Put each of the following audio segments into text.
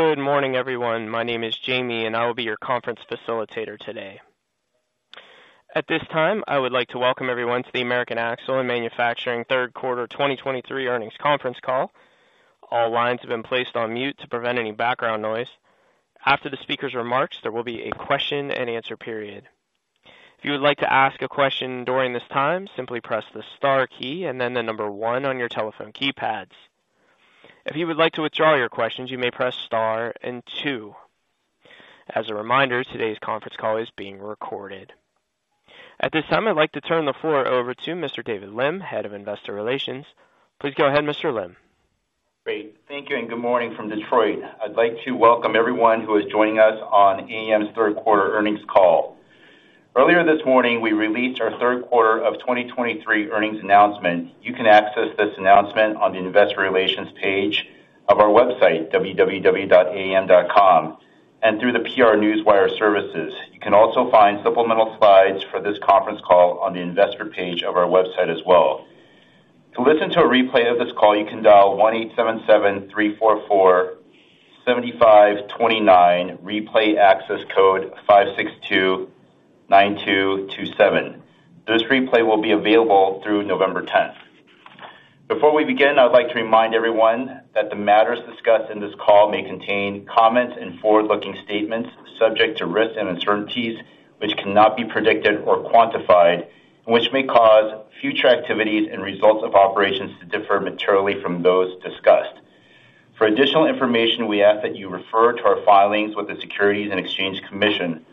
Good morning, everyone. My name is Jamie, and I will be your conference facilitator today. At this time, I would like to welcome everyone to the American Axle & Manufacturing third quarter 2023 earnings conference call. All lines have been placed on mute to prevent any background noise. After the speaker's remarks, there will be a question and answer period. If you would like to ask a question during this time, simply press the star key and then the number one on your telephone keypads. If you would like to withdraw your questions, you may press star and two. As a reminder, today's conference call is being recorded. At this time, I'd like to turn the floor over to Mr. David Lim, Head of investor relations. Please go ahead, Mr. Lim. Great. Thank you, and good morning from Detroit. I'd like to welcome everyone who is joining us on AAM's third quarter earnings call. Earlier this morning, we released our third quarter of 2023 earnings announcement. You can access this announcement on the investor relations page of our website, www.aam.com, and through the PR Newswire services. You can also find supplemental slides for this conference call on the investor page of our website as well. To listen to a replay of this call, you can dial 1-877-344-7529, replay access code 5629227. This replay will be available through November tenth. Before we begin, I'd like to remind everyone that the matters discussed in this call may contain comments and forward-looking statements subject to risks and uncertainties, which cannot be predicted or quantified, and which may cause future activities and results of operations to differ materially from those discussed. For additional information, we ask that you refer to our filings with the Securities and Exchange Commission.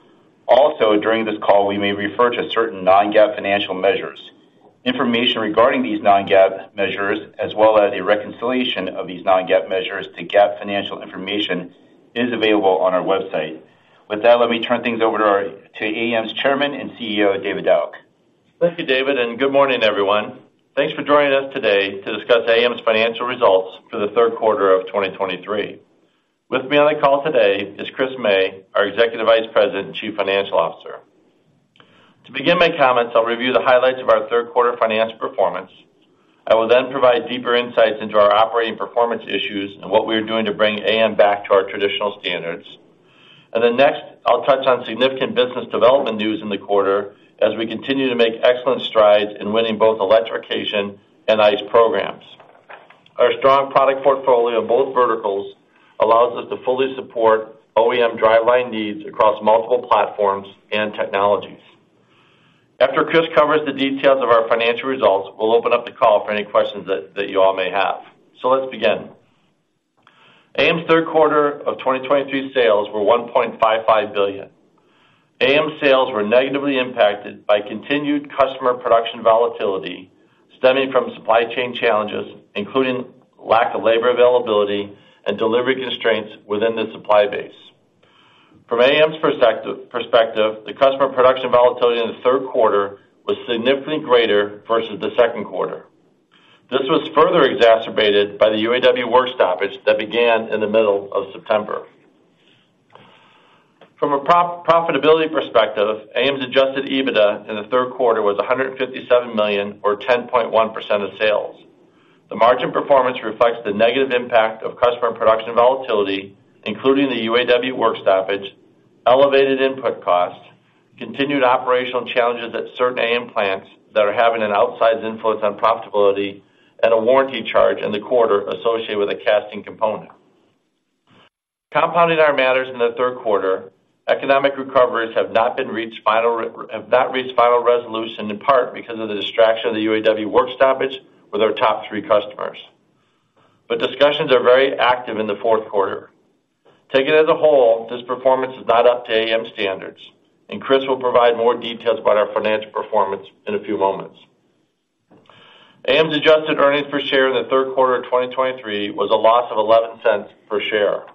Also, during this call, we may refer to certain non-GAAP financial measures. Information regarding these non-GAAP measures, as well as a reconciliation of these non-GAAP measures to GAAP financial information, is available on our website. With that, let me turn things over to Dauch's Chairman and CEO, David Dauch. Thank you, David, and good morning, everyone. Thanks for joining us today to discuss AAM's financial results for the third quarter of 2023. With me on the call today is Chris May, our Executive Vice President and Chief Financial Officer. To begin my comments, I'll review the highlights of our third quarter financial performance. I will then provide deeper insights into our operating performance issues and what we are doing to bring AAM back to our traditional standards. And then next, I'll touch on significant business development news in the quarter as we continue to make excellent strides in winning both electrification and ICE programs. Our strong product portfolio in both verticals allows us to fully support OEM driveline needs across multiple platforms and technologies. After Chris covers the details of our financial results, we'll open up the call for any questions that you all may have. So let's begin. AAM's third quarter of 2023 sales were $1.55 billion. AAM's sales were negatively impacted by continued customer production volatility stemming from supply chain challenges, including lack of labor availability and delivery constraints within the supply base. From AAM's perspective, the customer production volatility in the third quarter was significantly greater versus the second quarter. This was further exacerbated by the UAW work stoppage that began in the middle of September. From a profitability perspective, AAM's adjusted EBITDA in the third quarter was $157 million, or 10.1% of sales. The margin performance reflects the negative impact of customer and production volatility, including the UAW work stoppage, elevated input costs, continued operational challenges at certain AAM plants that are having an outsized influence on profitability, and a warranty charge in the quarter associated with a casting component. Compounding our matters in the third quarter, economic recoveries have not reached final resolution, in part because of the distraction of the UAW work stoppage with our top three customers. But discussions are very active in the fourth quarter. Taken as a whole, this performance is not up to AAM standards, and Chris will provide more details about our financial performance in a few moments. AAM's adjusted earnings per share in the third quarter of 2023 was a loss of $0.11 per share.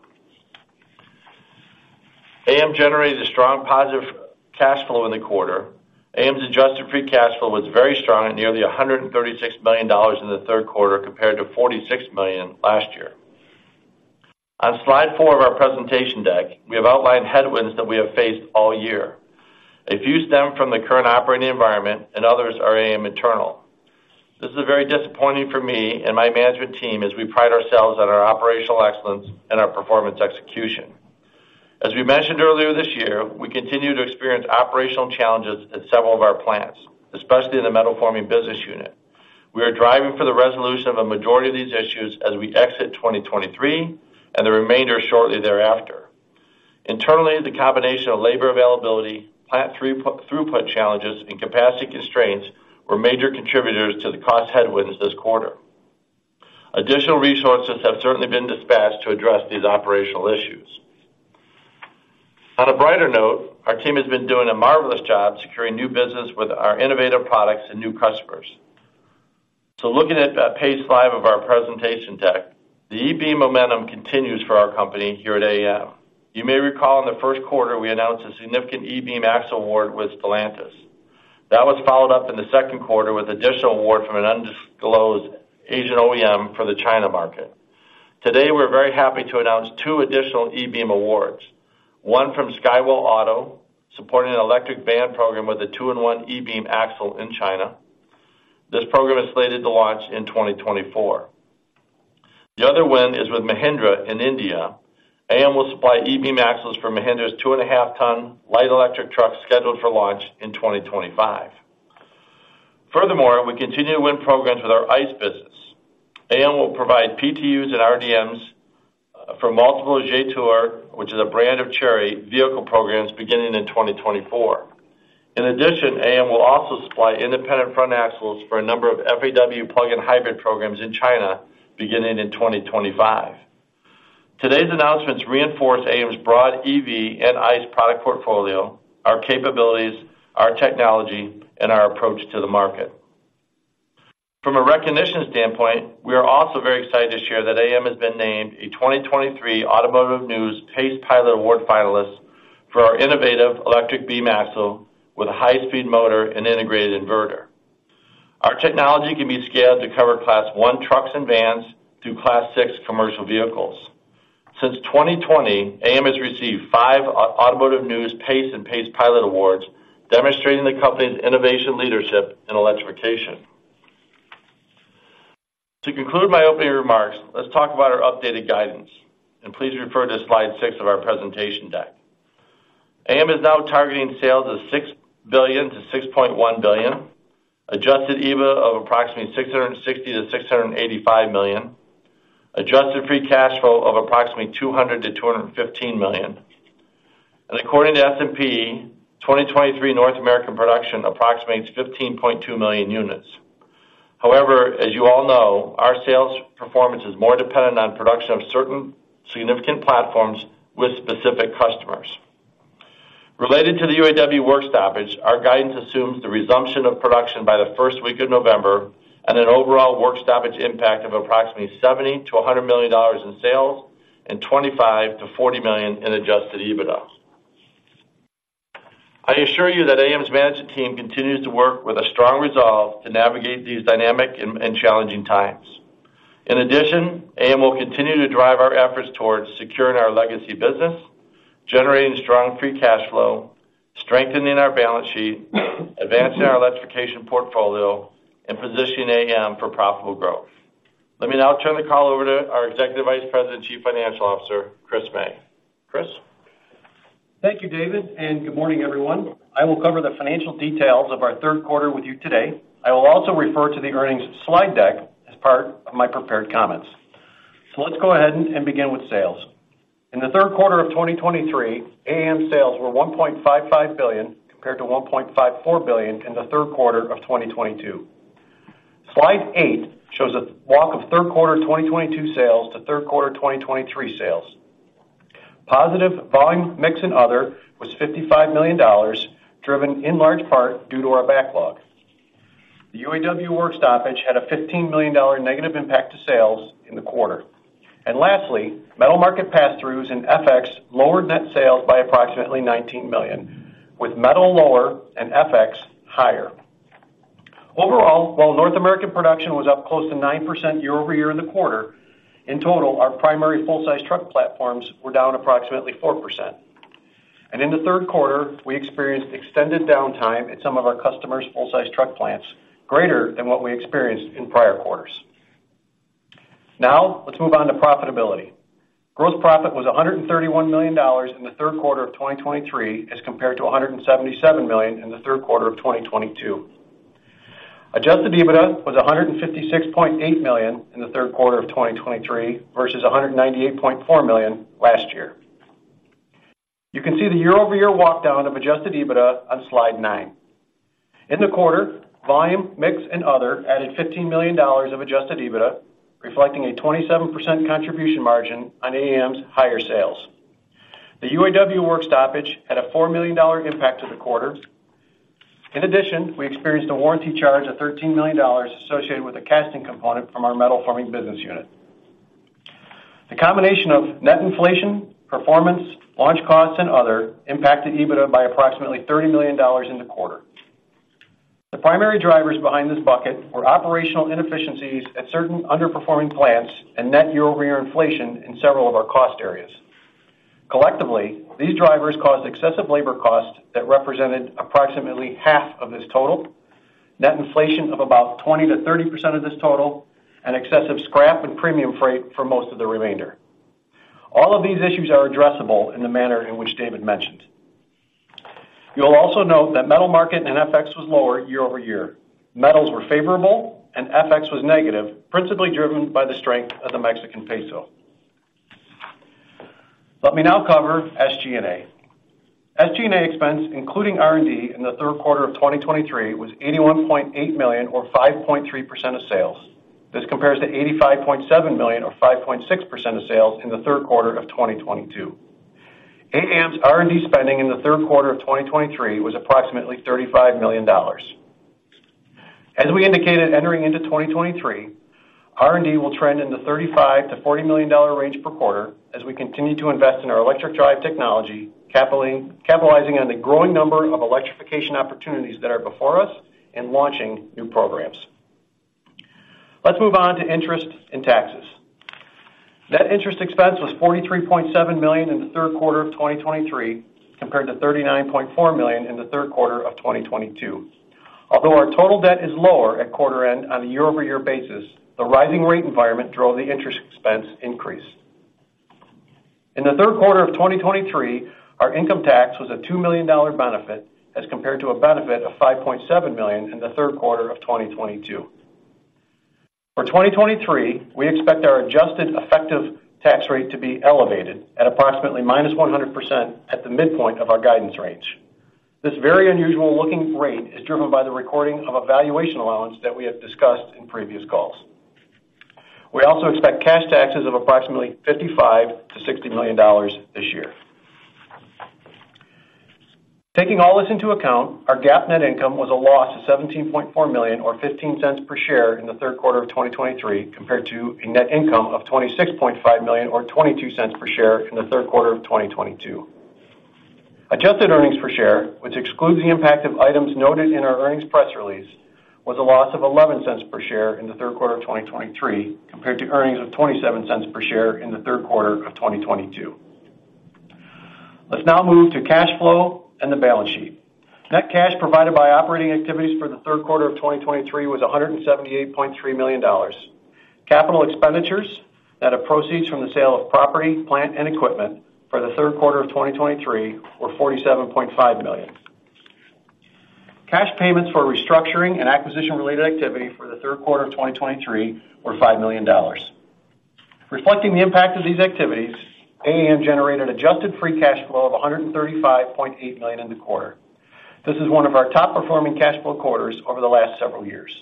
AAM generated a strong, positive cash flow in the quarter. AAM's adjusted free cash flow was very strong at nearly $136 million in the third quarter, compared to $46 million last year. On slide four of our presentation deck, we have outlined headwinds that we have faced all year. A few stem from the current operating environment, and others are AAM internal. This is very disappointing for me and my management team, as we pride ourselves on our operational excellence and our performance execution. As we mentioned earlier this year, we continue to experience operational challenges at several of our plants, especially in the Metal Forming business unit. We are driving for the resolution of a majority of these issues as we exit 2023 and the remainder shortly thereafter. Internally, the combination of labor availability, plant throughput challenges, and capacity constraints were major contributors to the cost headwinds this quarter. Additional resources have certainly been dispatched to address these operational issues. On a brighter note, our team has been doing a marvelous job securing new business with our innovative products and new customers. Looking at page 5 of our presentation deck, the e-Beam momentum continues for our company here at AAM. You may recall in the first quarter, we announced a significant e-Beam axle award with Stellantis. That was followed up in the second quarter with additional award from an undisclosed Asian OEM for the China market. Today, we're very happy to announce two additional e-Beam awards. One from Skywell, supporting an electric van program with a two-in-one e-Beam axle in China. This program is slated to launch in 2024. The other win is with Mahindra in India. AAM will supply e-Beam axle for Mahindra's 2.5-ton light electric truck, scheduled for launch in 2025. Furthermore, we continue to win programs with our ICE business. AAM will provide PTUs and RDMs for multiple Jetour, which is a brand of Chery, vehicle programs beginning in 2024. In addition, AAM will also supply independent front axles for a number of FAW plug-in hybrid programs in China, beginning in 2025. Today's announcements reinforce AAM's broad EV and ICE product portfolio, our capabilities, our technology, and our approach to the market. From a recognition standpoint, we are also very excited to share that AAM has been named a 2023 Automotive News PACE Pilot Award finalist for our innovative electric e-Beam axle with a high-speed motor and integrated inverter. Our technology can be scaled to cover Class One trucks and vans through Class Six commercial vehicles. Since 2020, AAM has received five Automotive News PACE and PACE Pilot awards, demonstrating the company's innovation, leadership, and electrification. To conclude my opening remarks, let's talk about our updated guidance, and please refer to slide six of our presentation deck. AAM is now targeting sales of $6 billion-$6.1 billion, Adjusted EBITDA of approximately $660 million-$685 million, Adjusted Free Cash Flow of approximately $200 million-$215 million. According to S&P, 2023 North American production approximates 15.2 million units. However, as you all know, our sales performance is more dependent on production of certain significant platforms with specific customers. Related to the UAW work stoppage, our guidance assumes the resumption of production by the first week of November and an overall work stoppage impact of approximately $70-$100 million in sales and $25-$40 million in Adjusted EBITDA. I assure you that AAM's management team continues to work with a strong resolve to navigate these dynamic and challenging times. In addition, AAM will continue to drive our efforts towards securing our legacy business, generating strong free cash flow, strengthening our balance sheet, advancing our electrification portfolio, and positioning AAM for profitable growth. Let me now turn the call over to our Executive Vice President and Chief Financial Officer, Chris May. Chris? Thank you, David, and good morning, everyone. I will cover the financial details of our third quarter with you today. I will also refer to the earnings slide deck as part of my prepared comments. So let's go ahead and begin with sales. In the third quarter of 2023, AAM sales were $1.55 billion, compared to $1.54 billion in the third quarter of 2022. Slide eight shows a walk of third quarter 2022 sales to third quarter 2023 sales. Positive volume, mix and other was $55 million, driven in large part due to our backlog. The UAW work stoppage had a $15 million negative impact to sales in the quarter. And lastly, metal market passthroughs and FX lowered net sales by approximately $19 million, with metal lower and FX higher. Overall, while North American production was up close to 9% year-over-year in the quarter, in total, our primary full-size truck platforms were down approximately 4%. In the third quarter, we experienced extended downtime at some of our customers' full-size truck plants, greater than what we experienced in prior quarters. Now, let's move on to profitability. Gross profit was $131 million in the third quarter of 2023, as compared to $177 million in the third quarter of 2022. Adjusted EBITDA was $156.8 million in the third quarter of 2023 versus $198.4 million last year. You can see the year-over-year walk down of adjusted EBITDA on Slide nine. In the quarter, volume, mix and other added $15 million of adjusted EBITDA, reflecting a 27% contribution margin on AAM's higher sales. The UAW work stoppage had a $4 million impact to the quarter. In addition, we experienced a warranty charge of $13 million associated with a casting component from our Metal Forming business unit. The combination of net inflation, performance, launch costs and other impacted EBITDA by approximately $30 million in the quarter. The primary drivers behind this bucket were operational inefficiencies at certain underperforming plants and net year-over-year inflation in several of our cost areas. Collectively, these drivers caused excessive labor costs that represented approximately half of this total, net inflation of about 20%-30% of this total, and excessive scrap and premium freight for most of the remainder. All of these issues are addressable in the manner in which David mentioned. You'll also note that metal market and FX was lower year-over-year. Metals were favorable and FX was negative, principally driven by the strength of the Mexican peso. Let me now cover SG&A. SG&A expense, including R&D, in the third quarter of 2023, was $81.8 million, or 5.3% of sales. This compares to $85.7 million, or 5.6% of sales, in the third quarter of 2022. AAM's R&D spending in the third quarter of 2023 was approximately $35 million. As we indicated, entering into 2023, R&D will trend in the $35 million-$40 million range per quarter as we continue to invest in our electric drive technology, capitalizing on the growing number of electrification opportunities that are before us and launching new programs.... Let's move on to interest and taxes. Net interest expense was $43.7 million in the third quarter of 2023, compared to $39.4 million in the third quarter of 2022. Although our total debt is lower at quarter end on a year-over-year basis, the rising rate environment drove the interest expense increase. In the third quarter of 2023, our income tax was a $2 million benefit, as compared to a benefit of $5.7 million in the third quarter of 2022. For 2023, we expect our adjusted effective tax rate to be elevated at approximately -100% at the midpoint of our guidance range. This very unusual looking rate is driven by the recording of a valuation allowance that we have discussed in previous calls. We also expect cash taxes of approximately $55 million-$60 million this year. Taking all this into account, our GAAP net income was a loss of $17.4 million or $0.15 per share in the third quarter of 2023, compared to a net income of $26.5 million or $0.22 per share in the third quarter of 2022. Adjusted earnings per share, which excludes the impact of items noted in our earnings press release, was a loss of $0.11 per share in the third quarter of 2023, compared to earnings of $0.27 per share in the third quarter of 2022. Let's now move to cash flow and the balance sheet. Net cash provided by operating activities for the third quarter of 2023 was $178.3 million. Capital expenditures, net of proceeds from the sale of property, plant, and equipment for the third quarter of 2023 were $47.5 million. Cash payments for restructuring and acquisition-related activity for the third quarter of 2023 were $5 million. Reflecting the impact of these activities, AAM generated Adjusted Free Cash Flow of $135.8 million in the quarter. This is one of our top-performing cash flow quarters over the last several years.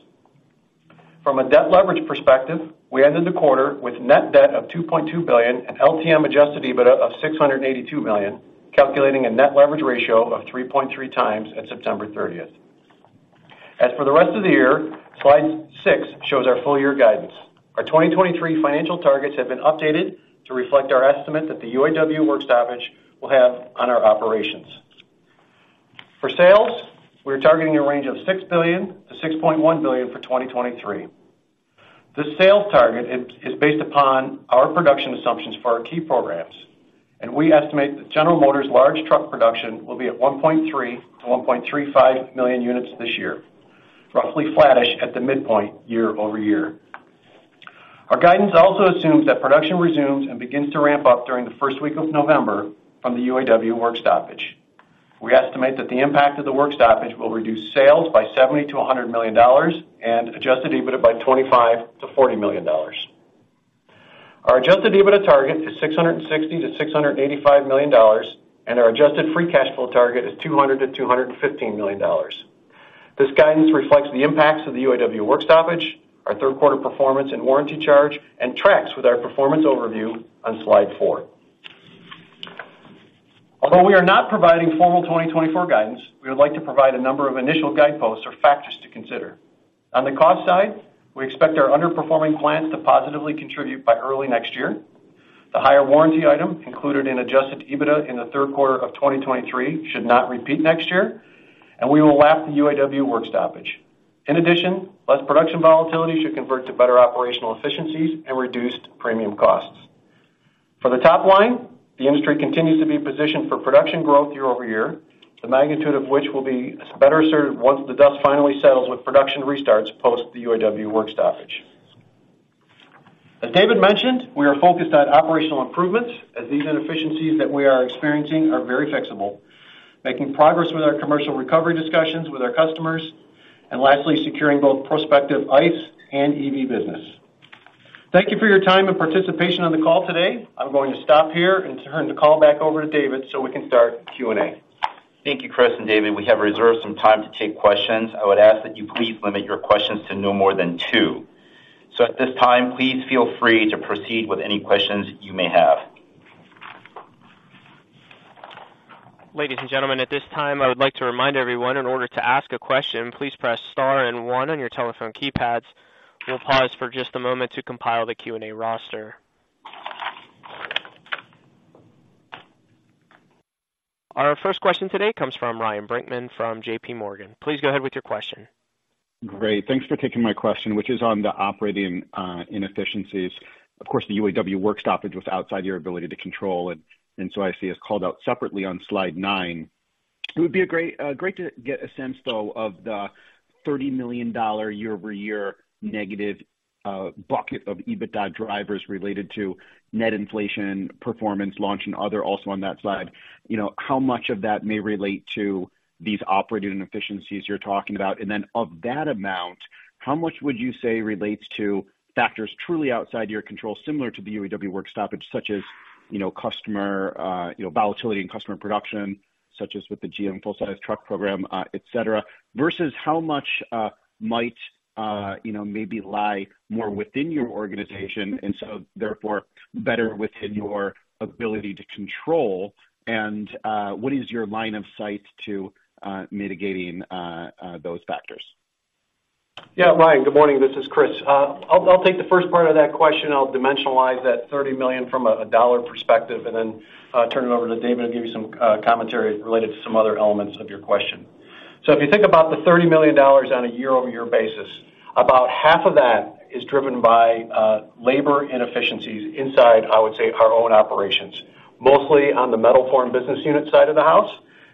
From a debt leverage perspective, we ended the quarter with net debt of $2.2 billion and LTM adjusted EBITDA of $682 million, calculating a net leverage ratio of 3.3x at September 30th. As for the rest of the year, slide six shows our full year guidance. Our 2023 financial targets have been updated to reflect our estimate that the UAW work stoppage will have on our operations. For sales, we're targeting a range of $6 billion-$6.1 billion for 2023. This sales target is based upon our production assumptions for our key programs, and we estimate that General Motors large truck production will be at $1.3 million-$1.35 million units this year, roughly flattish at the midpoint year-over-year. Our guidance also assumes that production resumes and begins to ramp up during the first week of November from the UAW work stoppage. We estimate that the impact of the work stoppage will reduce sales by $70-$100 million and Adjusted EBITDA by $25 million-$40 million. Our Adjusted EBITDA target is $660 million-$685 million, and our Adjusted Free Cash Flow target is $200 million-$215 million. This guidance reflects the impacts of the UAW work stoppage, our third quarter performance and warranty charge, and tracks with our performance overview on slide four. Although we are not providing formal 2024 guidance, we would like to provide a number of initial guideposts or factors to consider. On the cost side, we expect our underperforming plants to positively contribute by early next year. The higher warranty item included in Adjusted EBITDA in the third quarter of 2023 should not repeat next year, and we will lap the UAW work stoppage. In addition, less production volatility should convert to better operational efficiencies and reduced premium costs. For the top line, the industry continues to be positioned for production growth year-over-year, the magnitude of which will be better served once the dust finally settles with production restarts post the UAW work stoppage. As David mentioned, we are focused on operational improvements, as these inefficiencies that we are experiencing are very fixable, making progress with our commercial recovery discussions with our customers, and lastly, securing both prospective ICE and EV business. Thank you for your time and participation on the call today. I'm going to stop here and turn the call back over to David, so we can start the Q&A. Thank you, Chris and David. We have reserved some time to take questions. I would ask that you please limit your questions to no more than two. So at this time, please feel free to proceed with any questions you may have. Ladies and gentlemen, at this time, I would like to remind everyone, in order to ask a question, please press Star and One on your telephone keypads. We'll pause for just a moment to compile the Q&A roster. Our first question today comes from Ryan Brinkman from JP Morgan. Please go ahead with your question. Great. Thanks for taking my question, which is on the operating inefficiencies. Of course, the UAW work stoppage was outside your ability to control, and, and so I see it's called out separately on slide nine. It would be a great, great to get a sense, though, of the $30 million year-over-year negative bucket of EBITDA drivers related to net inflation, performance, launch, and other also on that slide. You know, how much of that may relate to these operating inefficiencies you're talking about? And then of that amount, how much would you say relates to factors truly outside your control, similar to the UAW work stoppage, such as, you know, customer, you know, volatility in customer production, such as with the GM full-size truck program, et cetera, versus how much, might, you know, maybe lie more within your organization, and so therefore, better within your ability to control? And, what is your line of sight to, mitigating, those factors? Yeah, Ryan, good morning. This is Chris. I'll take the first part of that question. I'll dimensionalize that $30 million from a dollar perspective, and then turn it over to David to give you some commentary related to some other elements of your question... So if you think about the $30 million on a year-over-year basis, about $15 million of that is driven by labor inefficiencies inside, I would say, our own operations, mostly on the Metal Forming business unit side of the house.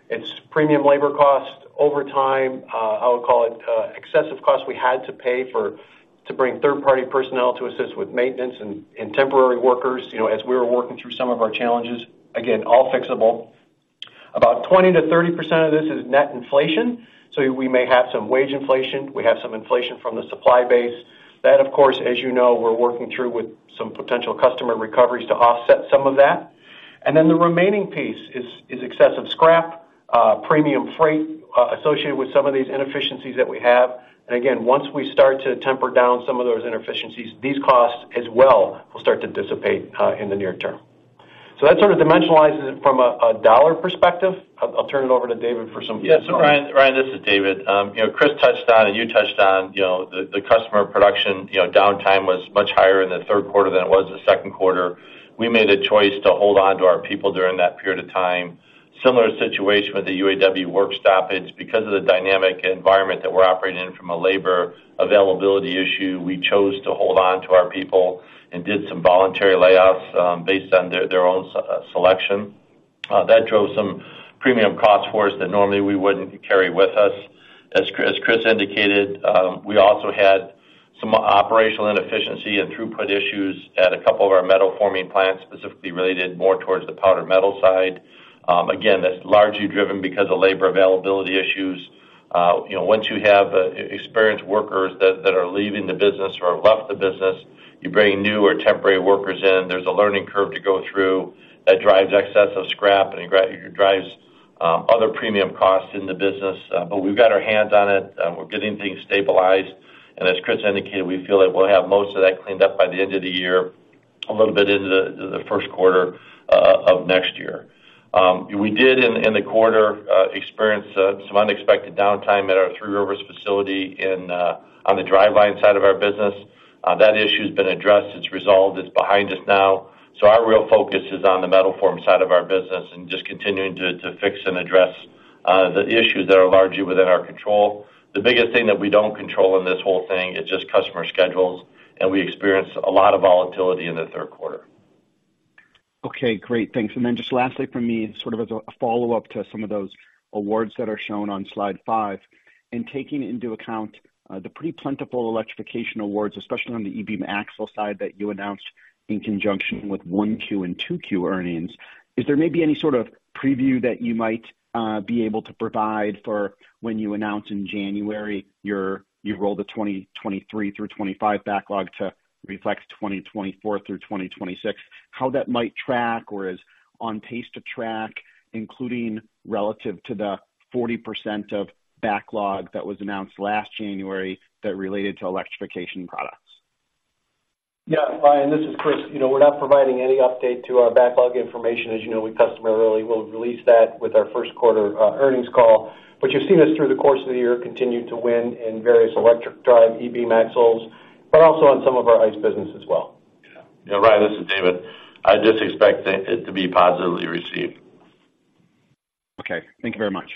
It's premium labor costs, overtime, I would call it, excessive costs we had to pay for to bring third-party personnel to assist with maintenance and temporary workers, you know, as we were working through some of our challenges. Again, all fixable. About 20%-30% of this is net inflation. So we may have some wage inflation. We have some inflation from the supply base. That, of course, as you know, we're working through with some potential customer recoveries to offset some of that. And then the remaining piece is excessive scrap, premium freight, associated with some of these inefficiencies that we have. And again, once we start to temper down some of those inefficiencies, these costs as well will start to dissipate in the near term. So that sort of dimensionalizes it from a dollar perspective. I'll turn it over to David for some- Yeah. So Ryan, Ryan, this is David. You know, Chris touched on, and you touched on, you know, the, the customer production, you know, downtime was much higher in the third quarter than it was the second quarter. We made a choice to hold on to our people during that period of time. Similar situation with the UAW work stoppage. Because of the dynamic environment that we're operating in from a labor availability issue, we chose to hold on to our people and did some voluntary layoffs, based on their, their own, selection. That drove some premium costs for us that normally we wouldn't carry with us. As Chris indicated, we also had some operational inefficiency and throughput issues at a couple of our Metal Forming plants, specifically related more towards the powder metal side. Again, that's largely driven because of labor availability issues. You know, once you have experienced workers that are leaving the business or have left the business, you bring new or temporary workers in, there's a learning curve to go through that drives excess of scrap and it drives other premium costs in the business. But we've got our hands on it, we're getting things stabilized. And as Chris indicated, we feel like we'll have most of that cleaned up by the end of the year, a little bit into the first quarter of next year. We did, in the quarter, experience some unexpected downtime at our Three Rivers facility on the driveline side of our business. That issue's been addressed, it's resolved, it's behind us now. So our real focus is on the Metal Forming side of our business and just continuing to fix and address the issues that are largely within our control. The biggest thing that we don't control in this whole thing is just customer schedules, and we experienced a lot of volatility in the third quarter. Okay, great. Thanks. And then just lastly from me, sort of as a follow-up to some of those awards that are shown on slide five, and taking into account, the pretty plentiful electrification awards, especially on the e-Beam axle side, that you announced in conjunction with 1Q and 2Q earnings. Is there maybe any sort of preview that you might, be able to provide for when you announce in January, you roll the 2023 through 2025 backlog to reflect 2024 through 2026, how that might track or is on pace to track, including relative to the 40% of backlog that was announced last January, that related to electrification products? Yeah, Ryan, this is Chris. You know, we're not providing any update to our backlog information. As you know, we customarily will release that with our first quarter earnings call. But you've seen us, through the course of the year, continue to win in various electric drive EV axles, but also on some of our ICE business as well. Yeah. Ryan, this is David. I just expect it to be positively received. Okay, thank you very much.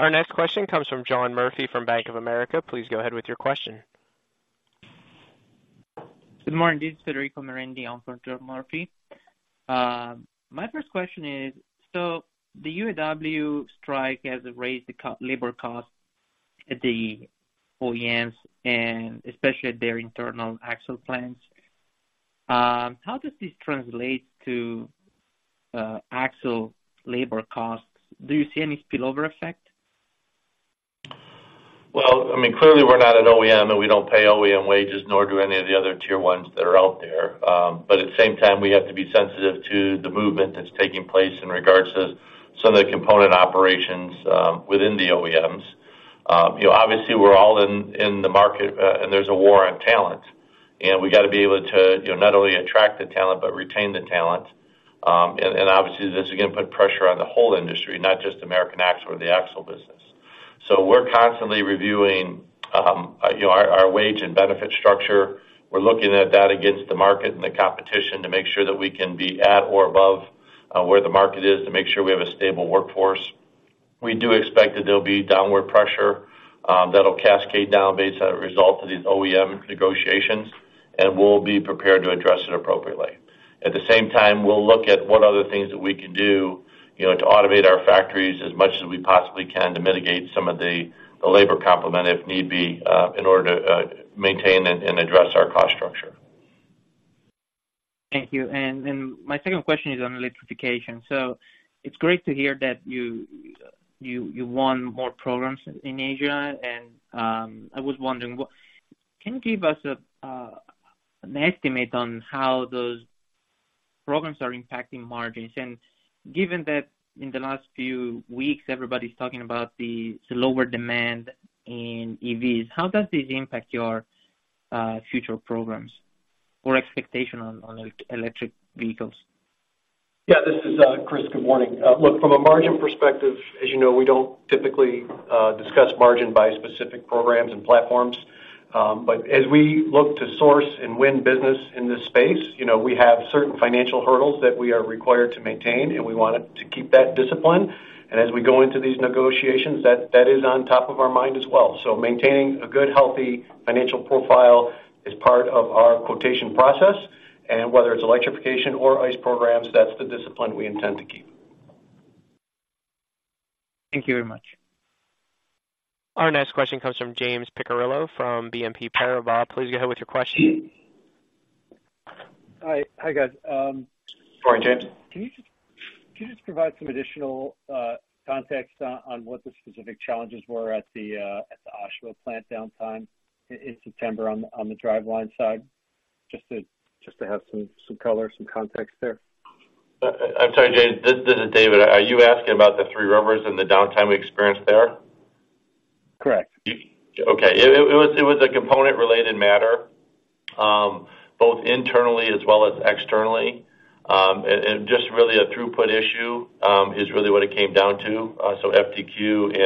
Our next question comes from John Murphy from Bank of America. Please go ahead with your question. Good morning, this is Federico Merendi on for John Murphy. My first question is: So the UAW strike has raised the labor cost at the OEMs and especially at their internal axle plants. How does this translate to axle labor costs? Do you see any spillover effect? Well, I mean, clearly, we're not an OEM, and we don't pay OEM wages, nor do any of the other tier ones that are out there. But at the same time, we have to be sensitive to the movement that's taking place in regard to some of the component operations within the OEMs. You know, obviously, we're all in the market, and there's a war on talent, and we got to be able to, you know, not only attract the talent, but retain the talent. And obviously, this is going to put pressure on the whole industry, not just American Axle or the axle business. So we're constantly reviewing, you know, our wage and benefit structure. We're looking at that against the market and the competition to make sure that we can be at or above where the market is, to make sure we have a stable workforce. We do expect that there'll be downward pressure that'll cascade down based on a result of these OEM negotiations, and we'll be prepared to address it appropriately. At the same time, we'll look at what other things that we can do, you know, to automate our factories as much as we possibly can to mitigate some of the labor complement, if need be, in order to maintain and address our cost structure. Thank you. My second question is on electrification. So it's great to hear that you won more programs in Asia, and I was wondering, can you give us an estimate on how those programs are impacting margins? And given that in the last few weeks, everybody's talking about the lower demand in EVs, how does this impact your future programs or expectation on electric vehicles? Yeah, this is Chris. Good morning. Look, from a margin perspective, as you know, we don't typically discuss margin by specific programs and platforms. ... But as we look to source and win business in this space, you know, we have certain financial hurdles that we are required to maintain, and we wanted to keep that discipline. And as we go into these negotiations, that is on top of our mind as well. So maintaining a good, healthy financial profile is part of our quotation process, and whether it's electrification or ICE programs, that's the discipline we intend to keep. Thank you very much. Our next question comes from James Picariello from BNP Paribas. Please go ahead with your question. Hi. Hi, guys, Go ahead, James. Can you just, can you just provide some additional context on what the specific challenges were at the Oshawa plant downtime in September on the driveline side? Just to, just to have some color, some context there. I'm sorry, James, this is David. Are you asking about the Three Rivers and the downtime we experienced there? Correct. Okay. It was a component-related matter, both internally as well as externally. Just really a throughput issue is really what it came down to. So FTQ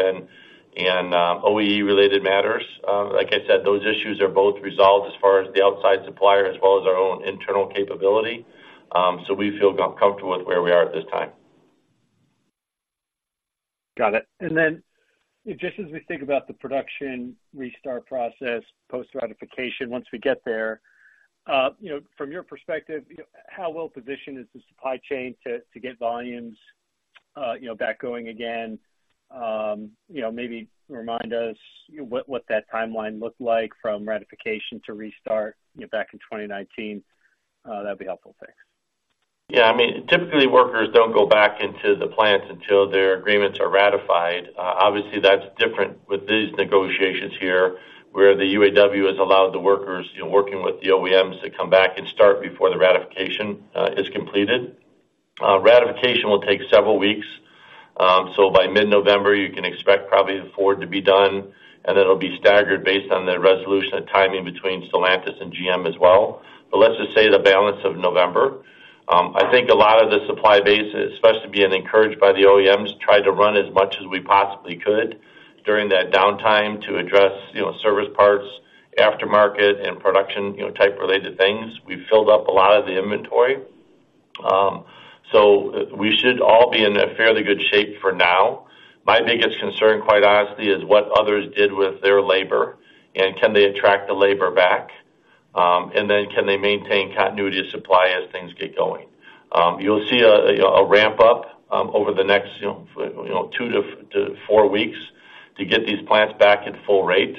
and OEE-related matters. Like I said, those issues are both resolved as far as the outside supplier as well as our own internal capability. So we feel comfortable with where we are at this time. Got it. And then just as we think about the production restart process, post-ratification, once we get there, you know, from your perspective, how well-positioned is the supply chain to get volumes, you know, back going again? You know, maybe remind us what that timeline looked like from ratification to restart, you know, back in 2019. That'd be helpful. Thanks. Yeah, I mean, typically, workers don't go back into the plants until their agreements are ratified. Obviously, that's different with these negotiations here, where the UAW has allowed the workers, you know, working with the OEMs to come back and start before the ratification, is completed. Ratification will take several weeks. So by mid-November, you can expect probably the Ford to be done, and it'll be staggered based on the resolution and timing between Stellantis and GM as well. But let's just say the balance of November. I think a lot of the supply base, especially being encouraged by the OEMs, tried to run as much as we possibly could during that downtime to address, you know, service parts, aftermarket and production, you know, type related things. We filled up a lot of the inventory. So we should all be in a fairly good shape for now. My biggest concern, quite honestly, is what others did with their labor, and can they attract the labor back? And then can they maintain continuity of supply as things get going? You'll see a ramp up over the next, you know, you know, two-four weeks to get these plants back at full rate.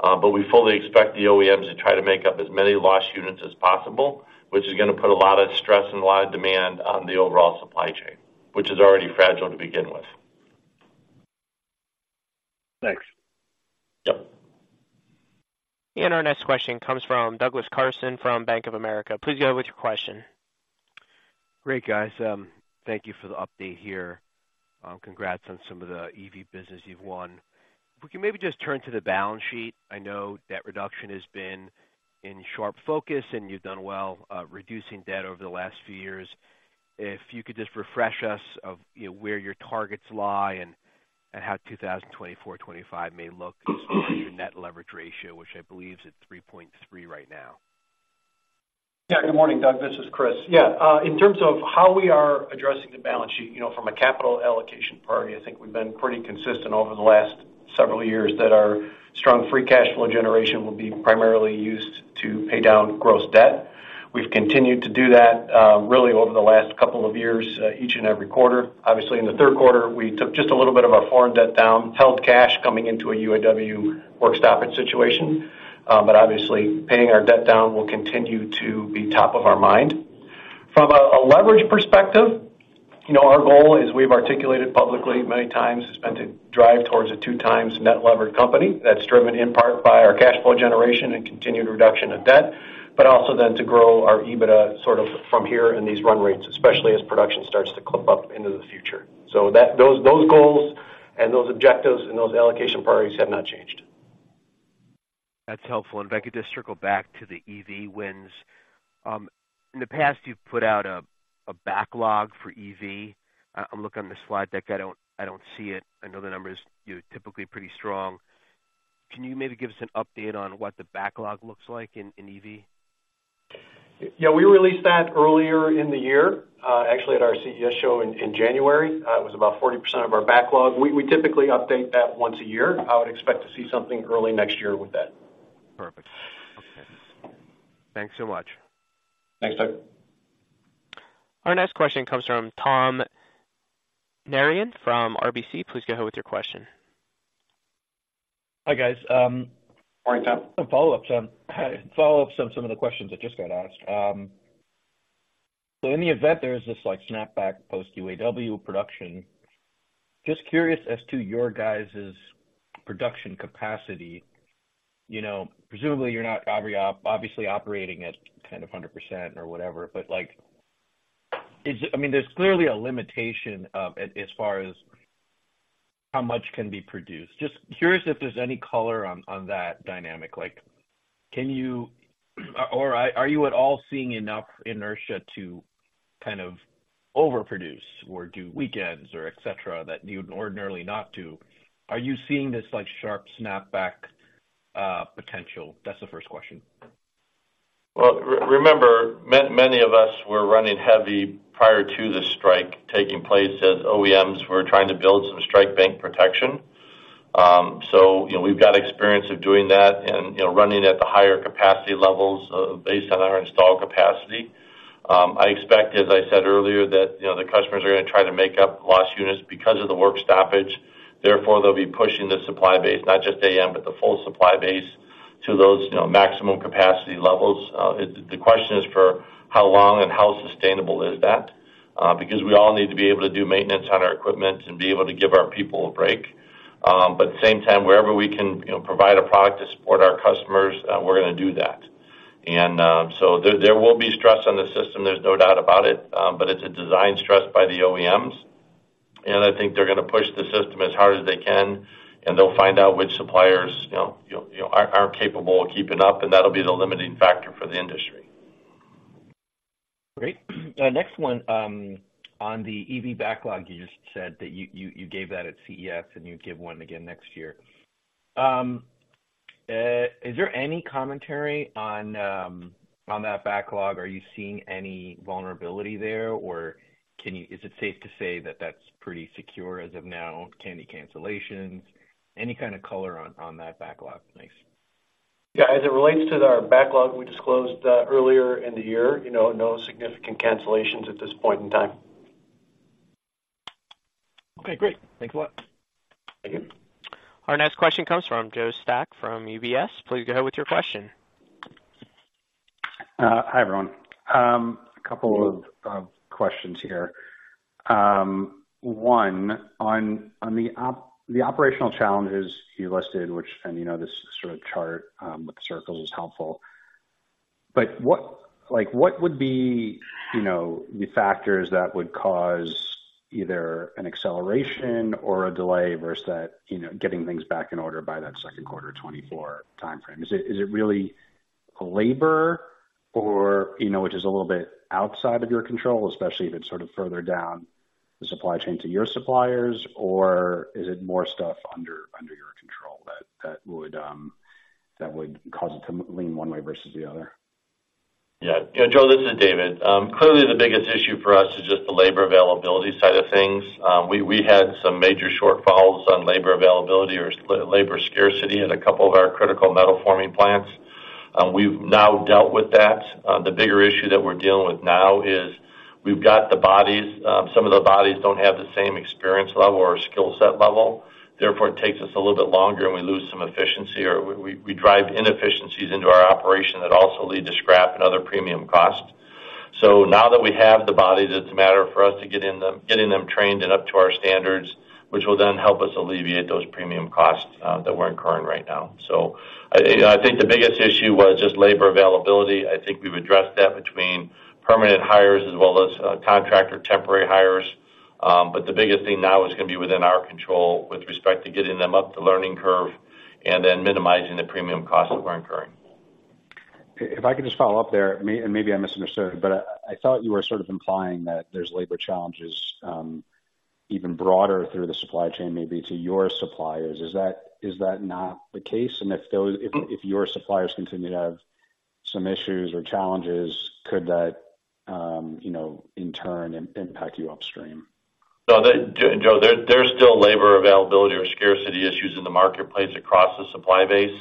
But we fully expect the OEMs to try to make up as many lost units as possible, which is gonna put a lot of stress and a lot of demand on the overall supply chain, which is already fragile to begin with. Thanks. Yep. Our next question comes from Douglas Carson from Bank of America. Please go with your question. Great, guys. Thank you for the update here. Congrats on some of the EV business you've won. We can maybe just turn to the balance sheet. I know debt reduction has been in sharp focus, and you've done well, reducing debt over the last few years. If you could just refresh us of, you know, where your targets lie and, and how 2024-2025 may look as your net leverage ratio, which I believe is at 3.3 right now. Yeah. Good morning, Doug. This is Chris. Yeah, in terms of how we are addressing the balance sheet, you know, from a capital allocation priority, I think we've been pretty consistent over the last several years, that our strong free cash flow generation will be primarily used to pay down gross debt. We've continued to do that, really over the last couple of years, each and every quarter. Obviously, in the third quarter, we took just a little bit of our foreign debt down, held cash coming into a UAW work stoppage situation. But obviously, paying our debt down will continue to be top of our mind. From a leverage perspective, you know, our goal is, we've articulated publicly many times, is been to drive towards a 2x net levered company. That's driven in part by our cash flow generation and continued reduction of debt, but also then to grow our EBITDA sort of from here in these run rates, especially as production starts to clip up into the future. So that, those, those goals and those objectives and those allocation priorities have not changed. That's helpful. If I could just circle back to the EV wins. In the past, you've put out a backlog for EV. I'm looking on the slide deck. I don't see it. I know the numbers, you know, typically pretty strong. Can you maybe give us an update on what the backlog looks like in EV? Yeah, we released that earlier in the year, actually at our CES show in January. It was about 40% of our backlog. We typically update that once a year. I would expect to see something early next year with that. Perfect. Okay. Thanks so much. Thanks, Doug. Our next question comes from Tom Narayan from RBC. Please go ahead with your question. Hi, guys, Morning, Tom. A follow-up to follow-up to some of the questions that just got asked. So in the event there is this, like, snapback post-UAW production, just curious as to your guys' production capacity. You know, presumably, you're not obviously operating at 100% or whatever, but, like, I mean, there's clearly a limitation of, as, as far as how much can be produced. Just curious if there's any color on, on that dynamic. Like, can you... Or are, are you at all seeing enough inertia to kind of overproduce or do weekends or et cetera, that you'd ordinarily not do. Are you seeing this, like, sharp snapback potential? That's the first question. Well, remember, many, many of us were running heavy prior to the strike taking place, as OEMs were trying to build some strike bank protection. So, you know, we've got experience of doing that and, you know, running at the higher capacity levels based on our installed capacity. I expect, as I said earlier, that, you know, the customers are gonna try to make up lost units because of the work stoppage. Therefore, they'll be pushing the supply base, not just AAM, but the full supply base to those, you know, maximum capacity levels. The question is for how long and how sustainable is that? Because we all need to be able to do maintenance on our equipment and be able to give our people a break. But at the same time, wherever we can, you know, provide a product to support our customers, we're gonna do that. So there will be stress on the system, there's no doubt about it, but it's a design stress by the OEMs, and I think they're gonna push the system as hard as they can, and they'll find out which suppliers, you know, aren't capable of keeping up, and that'll be the limiting factor for the industry. Great. Next one, on the EV backlog, you just said that you gave that at CES, and you'd give one again next year. Is there any commentary on that backlog? Are you seeing any vulnerability there, or can you, is it safe to say that that's pretty secure as of now? Any cancellations? Any kind of color on that backlog? Thanks. Yeah, as it relates to our backlog, we disclosed earlier in the year, you know, no significant cancellations at this point in time. Okay, great. Thanks a lot. Thank you. Our next question comes from Joe Spak from UBS. Please go ahead with your question. Hi, everyone. A couple of questions here. One, on the operational challenges you listed, which, you know, this sort of chart with the circles is helpful. But what, like, what would be, you know, the factors that would cause either an acceleration or a delay versus that, you know, getting things back in order by that second quarter of 2024 timeframe? Is it really labor or, you know, which is a little bit outside of your control, especially if it's sort of further down the supply chain to your suppliers, or is it more stuff under your control that would cause it to lean one way versus the other? Yeah. You know, Joe, this is David. Clearly, the biggest issue for us is just the labor availability side of things. We had some major shortfalls on labor availability or labor scarcity in a couple of our critical metal forming plants. We've now dealt with that. The bigger issue that we're dealing with now is we've got the bodies. Some of the bodies don't have the same experience level or skill set level. Therefore, it takes us a little bit longer, and we lose some efficiency or we drive inefficiencies into our operation that also lead to scrap and other premium costs. So now that we have the bodies, it's a matter for us to get them trained and up to our standards, which will then help us alleviate those premium costs that we're incurring right now. So I think the biggest issue was just labor availability. I think we've addressed that between permanent hires as well as contractor temporary hires. But the biggest thing now is gonna be within our control with respect to getting them up the learning curve and then minimizing the premium costs we're incurring. If I could just follow up there, and maybe I misunderstood, but I, I thought you were sort of implying that there's labor challenges, even broader through the supply chain, maybe to your suppliers. Is that, is that not the case? And if those- Mm-hmm. - If your suppliers continue to have some issues or challenges, could that, you know, in turn, impact you upstream? No, they, Joe, there's still labor availability or scarcity issues in the marketplace across the supply base.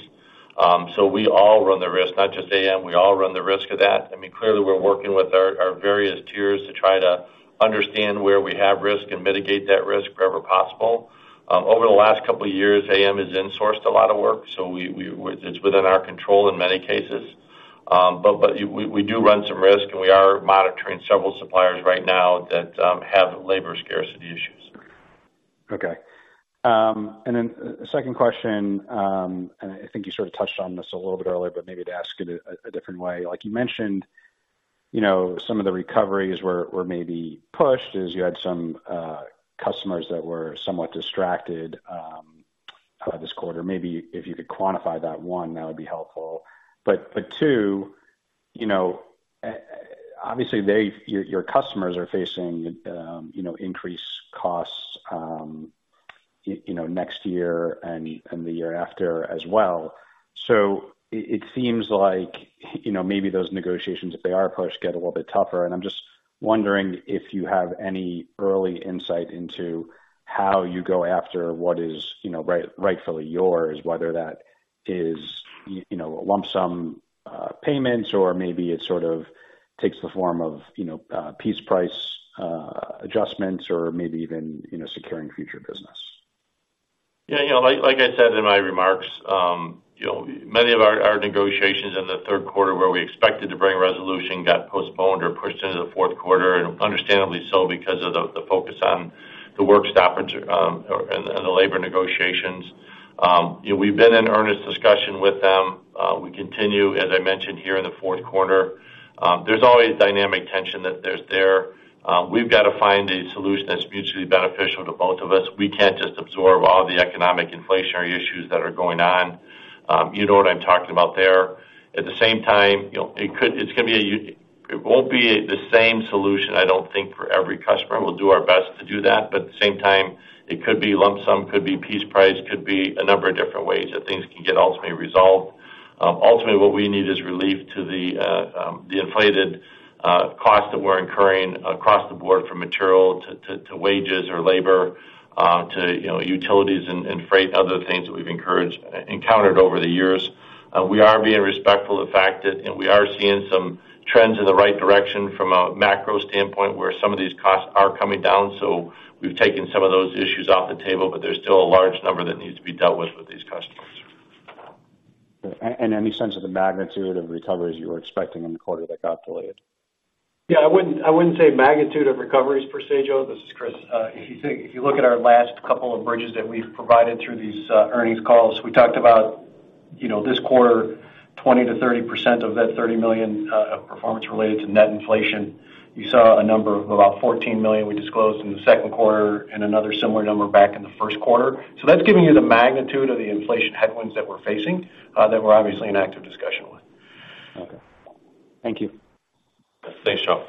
So we all run the risk, not just AAM. We all run the risk of that. I mean, clearly, we're working with our various tiers to try to understand where we have risk and mitigate that risk wherever possible. Over the last couple of years, AAM has insourced a lot of work, so it's within our control in many cases. But we do run some risk, and we are monitoring several suppliers right now that have labor scarcity issues. Okay. And then second question, and I think you sort of touched on this a little bit earlier, but maybe to ask it a different way. Like you mentioned, you know, some of the recoveries were maybe pushed as you had some customers that were somewhat distracted this quarter. Maybe if you could quantify that, one, that would be helpful. But two, you know, obviously, they, your customers are facing, you know, increased costs, you know, next year and the year after as well. So it seems like, you know, maybe those negotiations, if they are pushed, get a little bit tougher. I'm just wondering if you have any early insight into how you go after what is, you know, rightfully yours, whether that is, you know, a lump sum, payments, or maybe it sort of takes the form of, you know, piece price, adjustments, or maybe even, you know, securing future business. Yeah, you know, like, like I said in my remarks, you know, many of our, our negotiations in the third quarter, where we expected to bring resolution, got postponed or pushed into the fourth quarter, and understandably so, because of the, the focus on the work stoppage, or, and the, and the labor negotiations. You know, we've been in earnest discussion with them. We continue, as I mentioned here, in the fourth quarter. There's always dynamic tension that there's there. We've got to find a solution that's mutually beneficial to both of us. We can't just absorb all the economic inflationary issues that are going on. You know what I'm talking about there. At the same time, you know, it could-- it's gonna be a u-... It won't be the same solution, I don't think, for every customer. We'll do our best to do that, but at the same time, it could be lump sum, could be piece price, could be a number of different ways that things can get ultimately resolved. Ultimately, what we need is relief to the inflated cost that we're incurring across the board, from material to wages or labor, to, you know, utilities and freight, other things that we've encountered over the years. We are being respectful of the fact that, and we are seeing some trends in the right direction from a macro standpoint, where some of these costs are coming down. So we've taken some of those issues off the table, but there's still a large number that needs to be dealt with with these customers. any sense of the magnitude of recoveries you were expecting in the quarter that got delayed? Yeah, I wouldn't, I wouldn't say magnitude of recoveries per se, Joe. This is Chris. If you look at our last couple of bridges that we've provided through these earnings calls, we talked about, you know, this quarter, 20%-30% of that $30 million of performance related to net inflation. You saw a number of about $14 million we disclosed in the second quarter and another similar number back in the first quarter. So that's giving you the magnitude of the inflation headwinds that we're facing, that we're obviously in active discussion with. Okay. Thank you. Thanks, Joe.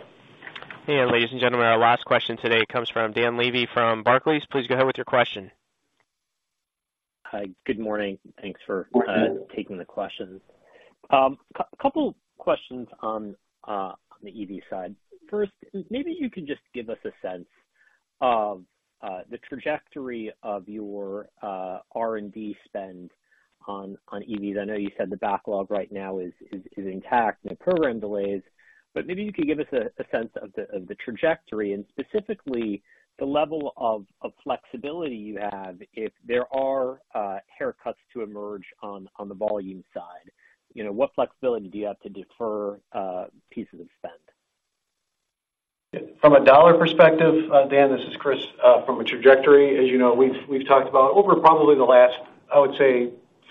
Hey, ladies and gentlemen, our last question today comes from Dan Levy from Barclays. Please go ahead with your question. Hi, good morning. Thanks for Good morning... taking the questions. Couple questions on the EV side. First, maybe you can just give us a sense of the trajectory of your R&D spend on EVs. I know you said the backlog right now is intact, no program delays, but maybe you could give us a sense of the trajectory, and specifically, the level of flexibility you have if there are haircuts to emerge on the volume side. You know, what flexibility do you have to defer pieces of spend? From a dollar perspective, Dan, this is Chris, from a trajectory, as you know, we've, we've talked about over probably the last, I would say,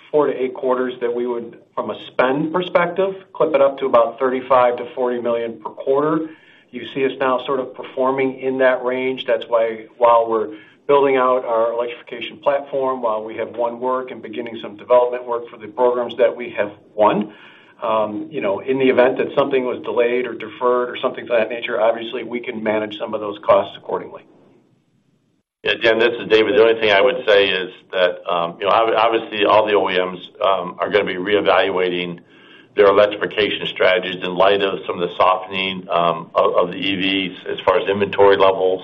four to eight quarters, that we would, from a spend perspective, clip it up to about $35 million-$40 million per quarter. You see us now sort of performing in that range. That's why while we're building out our electrification platform, while we have one work and beginning some development work for the programs that we have won, you know, in the event that something was delayed or deferred or something of that nature, obviously, we can manage some of those costs accordingly. Yeah, Dan, this is David. The only thing I would say is that, you know, obviously, all the OEMs are gonna be reevaluating their electrification strategies in light of some of the softening of the EVs as far as inventory levels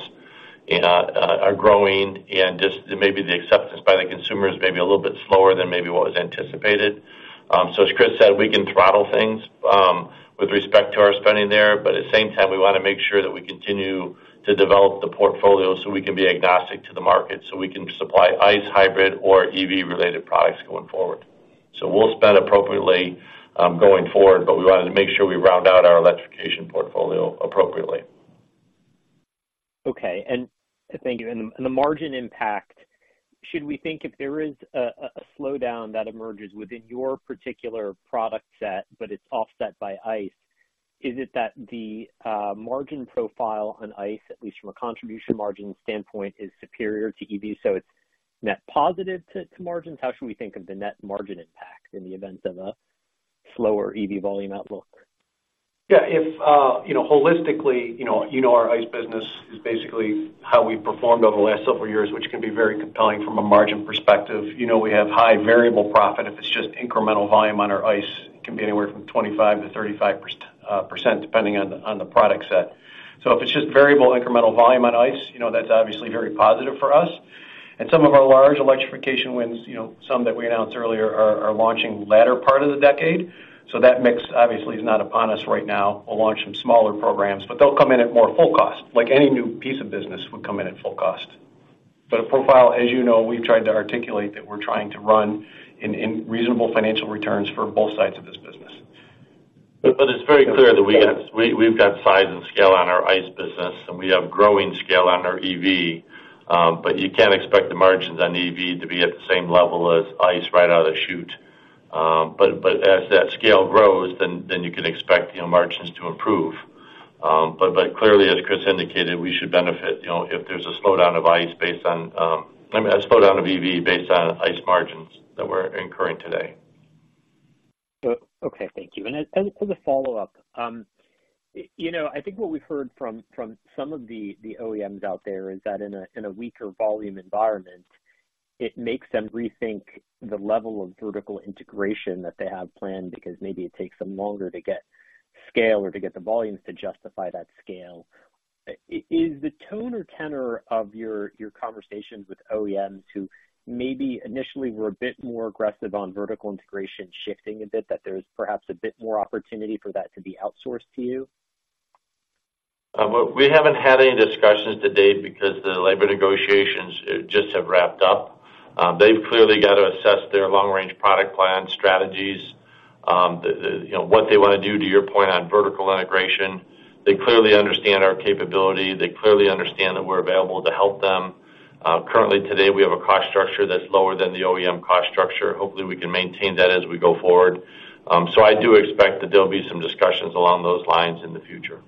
are growing and just maybe the acceptance by the consumers may be a little bit slower than maybe what was anticipated. So as Chris said, we can throttle things with respect to our spending there, but at the same time, we wanna make sure that we continue to develop the portfolio so we can be agnostic to the market, so we can supply ICE hybrid or EV-related products going forward. So we'll spend appropriately going forward, but we wanted to make sure we round out our electrification portfolio appropriately. Okay, and thank you. And the margin impact, should we think if there is a slowdown that emerges within your particular product set, but it's offset by ICE, is it that the margin profile on ICE, at least from a contribution margin standpoint, is superior to EV, so it's net positive to margins? How should we think of the net margin impact in the event of a slower EV volume outlook? Yeah, if you know, holistically, you know, you know our ICE business is basically how we've performed over the last several years, which can be very compelling from a margin perspective. You know, we have high variable profit. If it's just incremental volume on our ICE, it can be anywhere from 25-35%, depending on the product set. So if it's just variable incremental volume on ICE, you know, that's obviously very positive for us. And some of our large electrification wins, you know, some that we announced earlier are launching latter part of the decade, so that mix obviously is not upon us right now. We'll launch some smaller programs, but they'll come in at more full cost, like any new piece of business would come in at full cost. But a profile, as you know, we've tried to articulate that we're trying to run in reasonable financial returns for both sides of this business. But it's very clear that we've got size and scale on our ICE business, and we have growing scale on our EV, but you can't expect the margins on EV to be at the same level as ICE right out of the chute. But as that scale grows, then you can expect, you know, margins to improve. But clearly, as Chris indicated, we should benefit, you know, if there's a slowdown of ICE based on, I mean, a slowdown of EV based on ICE margins that we're incurring today. Oh, okay. Thank you. And as a follow-up, you know, I think what we've heard from some of the OEMs out there is that in a weaker volume environment, it makes them rethink the level of vertical integration that they have planned, because maybe it takes them longer to get scale or to get the volumes to justify that scale. Is the tone or tenor of your conversations with OEMs who maybe initially were a bit more aggressive on vertical integration, shifting a bit, that there's perhaps a bit more opportunity for that to be outsourced to you? Well, we haven't had any discussions to date because the labor negotiations just have wrapped up. They've clearly got to assess their long-range product plan strategies, the you know, what they wanna do, to your point, on vertical integration. They clearly understand our capability. They clearly understand that we're available to help them. Currently today, we have a cost structure that's lower than the OEM cost structure. Hopefully, we can maintain that as we go forward. So I do expect that there'll be some discussions along those lines in the future.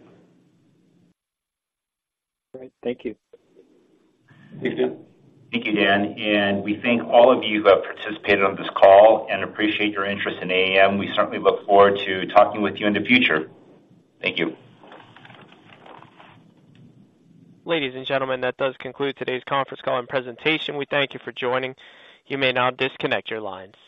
Great. Thank you. Thanks, Dan. Thank you, Dan, and we thank all of you who have participated on this call, and appreciate your interest in AAM. We certainly look forward to talking with you in the future. Thank you. Ladies and gentlemen, that does conclude today's conference call and presentation. We thank you for joining. You may now disconnect your lines.